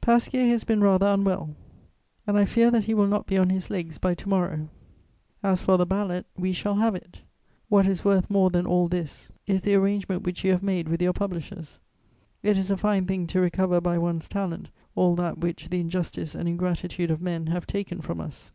Pasquier has been rather unwell, and I fear that he will not be on his legs by to morrow. As for the ballot, we shall have it. What is worth more than all this is the arrangement which you have made with your publishers. It is a fine thing to recover by one's talent all that which the injustice and ingratitude of men have taken from us.